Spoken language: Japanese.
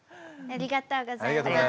ありがとうございます。